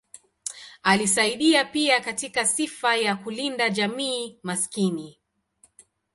Alisaidia pia katika sifa ya kulinda jamii maskini.